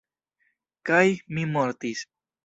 Kaj mi mortis.